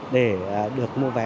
để được mua vé